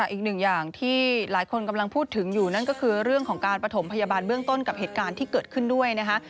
อย่างที่หลายคนกำลังพูดถึงอยู่นั่นก็คือเรื่องของการประถมพยาบาลเบื้องต้นกับเหตุการณ์ที่เกิดขึ้นด้วยนะคะ